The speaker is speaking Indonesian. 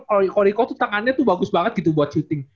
kalo riko tuh tangannya tuh bagus banget gitu buat shooting